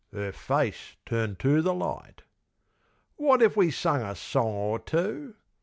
'Er face turned to the light. Wot if we sung a song or two?